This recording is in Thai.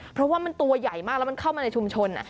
เพราะว่ามันตัวใหญ่มากแล้วมันเข้ามาในชุมชน